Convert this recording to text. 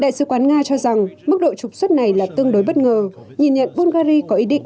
đại sứ quán nga cho rằng mức độ trục xuất này là tương đối bất ngờ nhìn nhận bulgari có ý định